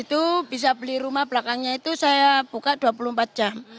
itu bisa beli rumah belakangnya itu saya buka dua puluh empat jam